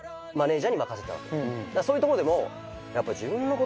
そういうとこでも。